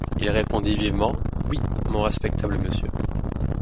Il répondit vivement: — Oui, mon respectable monsieur.